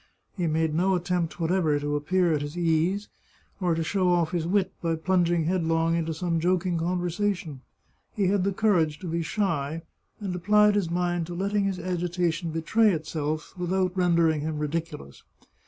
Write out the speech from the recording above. He made no attempt whatever to appear at his ease, or to show ofT his wit by plunging headlong into some joking conversation. He had the courage to be shy, and applied his mind to letting his agitation betray itself without ren dering him ridiculous.